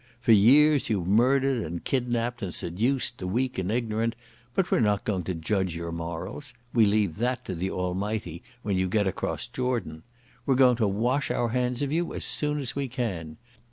For years you've murdered and kidnapped and seduced the weak and ignorant, but we're not going to judge your morals. We leave that to the Almighty when you get across Jordan. We're going to wash our hands of you as soon as we can.